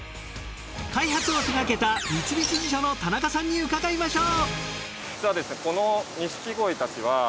開発を手がけた三菱地所の田中さんに伺いましょう。